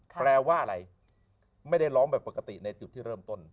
แปลว่าอะไรไม่ได้ร้องแบบปกติในจุดที่เริ่มต้น